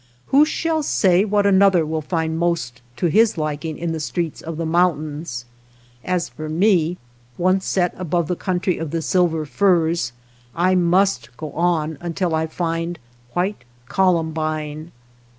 Who shall say what another will find most to his liking in the streets of the mountains. As for me, once set above the 194 THE STREETS OF THE MOUNTAINS country of the silver firs, I must go on until I find white columbine.